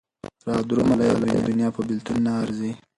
را درومه لالیه دونيا په بېلتون نه ارځي